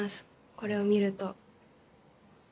これを見ると。